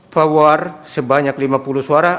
power sebanyak lima puluh suara